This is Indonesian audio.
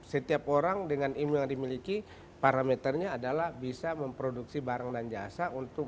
setiap orang dengan imu yang dimiliki parameternya adalah bisa memproduksi barang dan jasa untuk